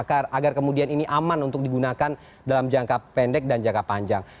agar kemudian ini aman untuk digunakan dalam jangka pendek dan jangka panjang